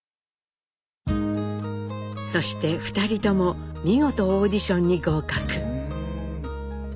そして２人とも見事オーディションに合格。